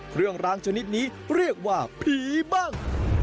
เครื่องร้างชนิดนี้เรียกว่าผีบ้าง